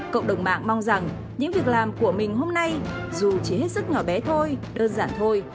cộng đồng mạng mong rằng những việc làm của mình hôm nay dù chỉ hết sức nhỏ bé thôi đơn giản thôi